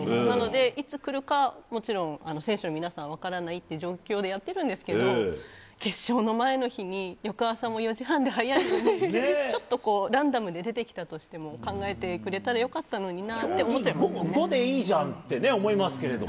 なので、いつ来るかもちろん、選手の皆さんは分からないっていう状況でやってるんですけれども、決勝の前の日に翌朝も４時半で早いのに、ちょっと、ランダムで出てきたとしても考えてくれたらよかったのになって思っちゃいますね。